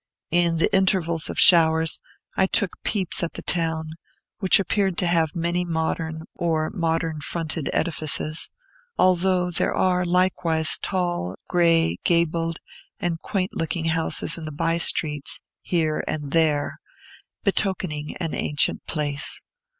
In the intervals of showers I took peeps at the town, which appeared to have many modern or modern fronted edifices; although there are likewise tall, gray, gabled, and quaint looking houses in the by streets, here and there, betokening an ancient place.